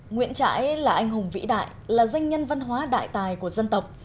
nguyễn trãi là anh hùng vĩ đại là danh nhân văn hóa đại tài của dân tộc